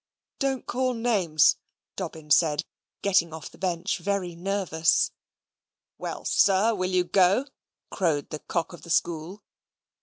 "Don't call names," Dobbin said, getting off the bench very nervous. "Well, sir, will you go?" crowed the cock of the school.